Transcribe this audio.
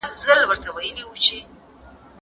د مسالې تجارت د ګاونډیو هېوادونو سره کله ګرم سو؟